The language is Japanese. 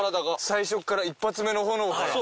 最初っから１発目の炎から。